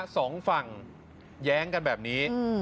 สองฝั่งแย้งกันแบบนี้